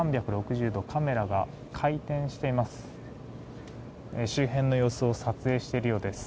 ３６０度カメラが回転しています。